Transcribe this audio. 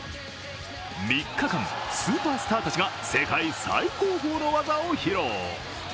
３日間、スーパースターたちが世界最高峰の技を披露。